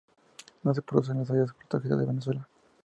No se produce en las áreas protegidas de Venezuela.